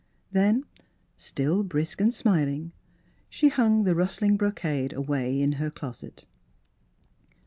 Then, still brisk and smiling, she hung the rus tling brocade away in her closet.